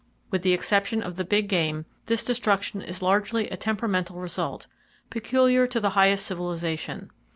With the exception of the big game, this destruction is largely a temperamental result, peculiar to the highest civilization.